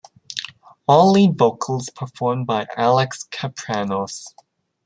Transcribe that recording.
All lead vocals performed by Alex Kapranos.